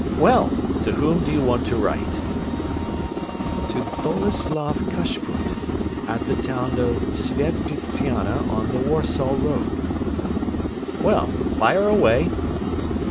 "Well, to whom do you want to write?" "To Boleslav Kashput, at the town of Svieptziana, on the Warsaw Road..." "Well, fire away!"